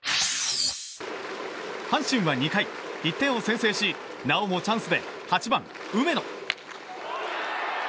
阪神は２回、１点を先制しなおもチャンスで８番、梅野。